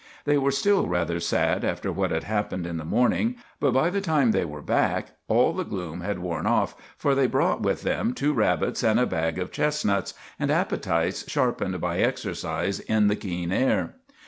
They were still rather sad after what had happened in the morning; but by the time they were back all the gloom had worn off, for they brought with them two rabbits and a bag of chestnuts, and appetites sharpened by exercise in the keen air.